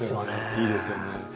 いいですよね。